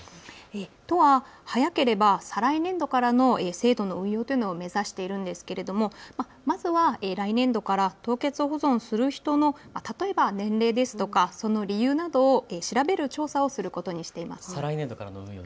都は早ければ再来年度からの制度の運用を目指しているんですがまずは来年度から凍結保存する人の年齢ですとか、その理由などを調べる調査を始めることにしています。